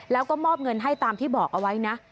แล้วก็มอบเงินให้ตามที่บอกเอาไว้นะ